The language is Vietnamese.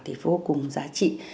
thì vô cùng giá trị